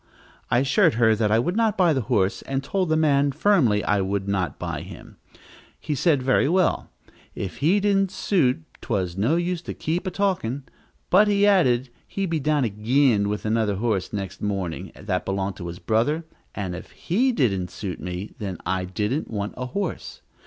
I assured her that I would not buy the horse, and told the man firmly I would not buy him. He said, very well if he didn't suit 'twas no use to keep a talkin': but he added, he'd be down agin' with another horse, next morning, that belonged to his brother; and if he didn't suit me, then I didn't want a horse.